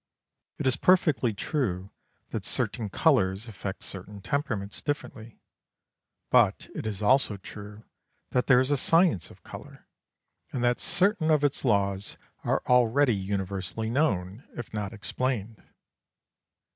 It is perfectly true that certain colours affect certain temperaments differently. But it is also true that there is a science of colour, and that certain of its laws are already universally known, if not explained.